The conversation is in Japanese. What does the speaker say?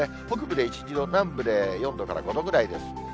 北部で１、２度、南部で４度から５度ぐらいです。